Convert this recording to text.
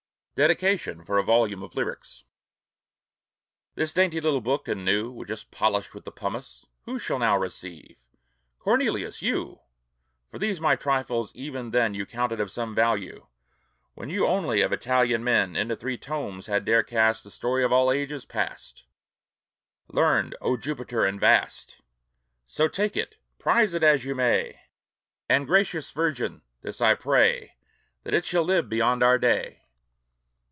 DEDICATION FOR A VOLUME OF LYRICS This dainty little book and new, Just polished with the pumice, who Shall now receive? Cornelius, you! For these my trifles even then You counted of some value, when You only of Italian men Into three tomes had dared to cast The story of all ages past, Learned, O Jupiter, and vast! So take it, prize it as you may. And, gracious Virgin, this I pray: That it shall live beyond our day!